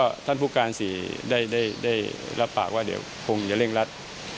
ก็ท่านผู้การ๔ได้รับปากว่าเดี๋ยวคงจะเร่งรัด